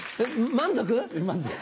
満足。